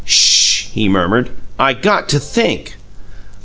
"SH!" he murmured. "I got to think."